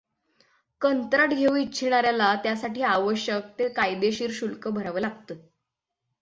कंत्राट घेऊ इच्छिणाऱ्याला त्यासाठी आवश्यक ते कायदेशीर शुल्क भरावं लागतं.